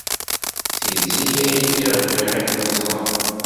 Seg zik ay lliɣ bɣiɣ ad kem-ẓreɣ.